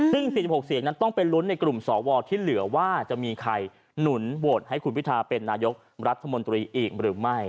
ซึ่ง๔๖เสียงนั้นต้องไปลุ้นในกลุ่มสวที่เหลือว่าจะมีใครหนุนโหวตให้คุณพิทาเป็นนายกรัฐมนตรีอีกหรือไม่